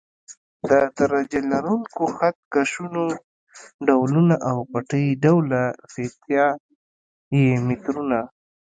د درجه لرونکو خط کشونو ډولونه او پټۍ ډوله فیته یي مترونه.